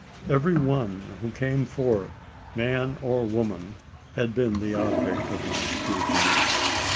Every one who came forth man or woman had been the object of my scrutiny.